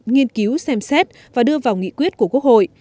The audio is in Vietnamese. nghiên cứu xem xét và đưa vào nghị quyết của quốc hội